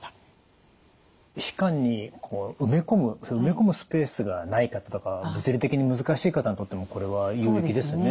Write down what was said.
皮下に植え込むスペースがない方とか物理的に難しい方にとってもこれは有益ですね。